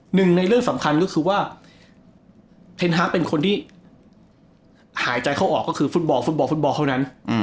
หนึ่งในเรื่องสำคัญก็คือว่าเทนฮาร์กเป็นคนที่หายใจเข้าออกก็คือฟุตบอลฟุตบอลฟุตบอลฟุตบอลเท่านั้น